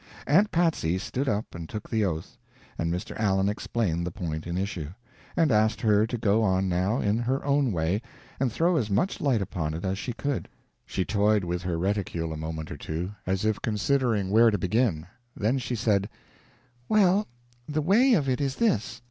Aunt Patsy stood up and took the oath, and Mr. Allen explained the point in issue, and asked her to go on now, in her own way, and throw as much light upon it as she could. She toyed with her reticule a moment or two, as if considering where to begin, then she said: "Well, the way of it is this.